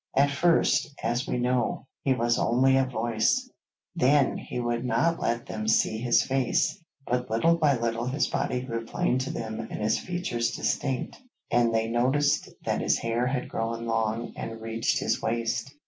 At first, as we know, he was only a voice; then he would not let them see his face, but little by little his body grew plain to them and his features distinct, and they noticed that his hair had grown long and reached his waist.